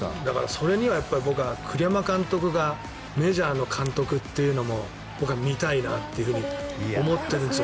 それには僕は、栗山監督がメジャーの監督っていうのも僕は見たいなと思ってるんです。